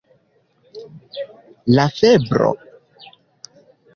La febro?